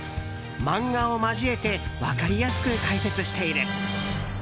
漫画を交えて分かりやすく解説している。